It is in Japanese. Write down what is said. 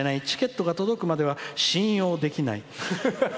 チケットが届くまでは信用できない」。